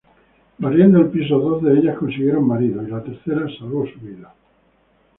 Barriendo el piso dos de ellas consiguieron marido, y la tercera salvó su vida.